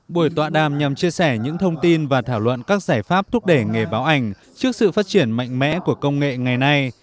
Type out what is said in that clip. buổi tọa đàm nhằm chia sẻ những thông tin và thảo luận các giải pháp thúc đẩy nghề báo ảnh trước sự phát triển mạnh mẽ của công nghệ ngày nay